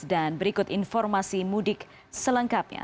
dan berikut informasi mudik selengkapnya